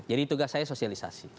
jadi tugas saya sosialisasi